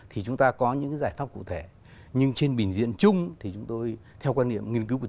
thì chúng ta có những cái giải pháp cụ thể